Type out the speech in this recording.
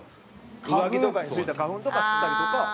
上着とかについた花粉とか吸ったりとか。